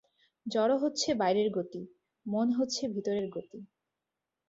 জড় হচ্ছে বাইরের গতি, মন হচ্ছে ভিতরের গতি।